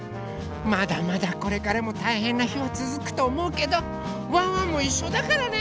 まだまだこれからも大変な日は続くと思うけどワンワンも一緒だからね！